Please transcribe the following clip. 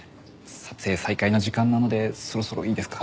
撮影再開の時間なのでそろそろいいですか？